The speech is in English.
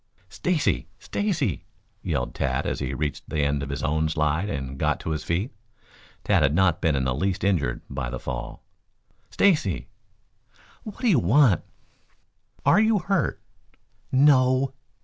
"Stacy! Stacy!" yelled Tad as he reached the end of his own slide and got to his feet. Tad had not been in the least injured by the fall. "Stacy!" "What do you want?" "Are you hurt?" "No."